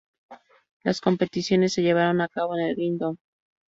Las competiciones se llevaron a cabo en el Green Dome.